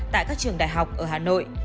tại các trường đại học ở hà nội